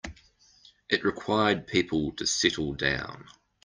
It required people to settle down.